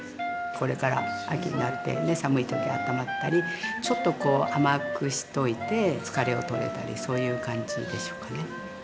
これから秋になって寒いとき温まったりちょっとこう甘くしておいて疲れを取れたりそういう感じでしょうかね。